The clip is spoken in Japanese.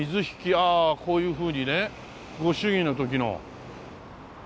ああこういうふうにねご祝儀の時の。